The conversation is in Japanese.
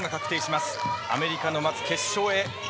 まずアメリカの決勝へ。